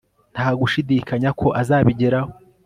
Nta gushidikanya ko azabigeraho